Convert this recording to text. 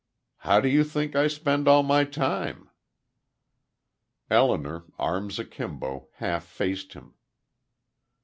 How do you think I spend all my time?" Elinor, arms akimbo, half faced him.